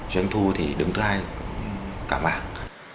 chuyến thu thì đứng thứ hai cả mạng